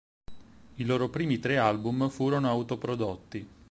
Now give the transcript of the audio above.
I loro primi tre album furono autoprodotti.